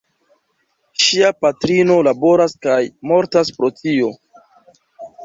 Ŝia patrino laboras kaj mortas pro tio.